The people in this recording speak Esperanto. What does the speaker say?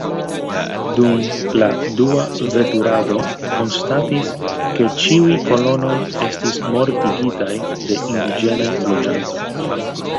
Dum la dua veturado konstatis ke ĉiuj kolonoj estis mortigitaj de indiĝenaj loĝantoj.